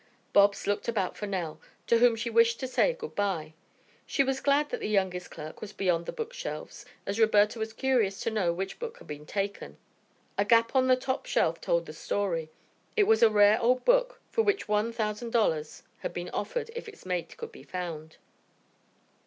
Bobs looked about for Nell, to whom she wished to say good bye. She was glad that the youngest clerk was beyond the book shelves as Roberta was curious to know which book had been taken. A gap on the top shelf told the story. It was a rare old book for which one thousand dollars had been offered if its mate could be found.